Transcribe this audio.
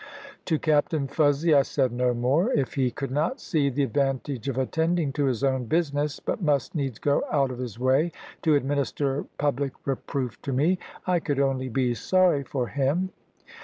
To Captain Fuzzy I said no more. If he could not see the advantage of attending to his own business, but must needs go out of his way to administer public reproof to me, I could only be sorry for him.